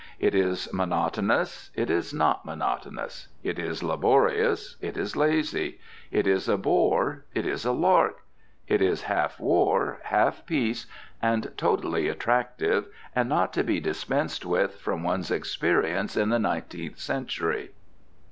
It is monotonous, it is not monotonous, it is laborious, it is lazy, it is a bore, it is a lark, it is half war, half peace, and totally attractive, and not to be dispensed with from one's experience in the nineteenth century.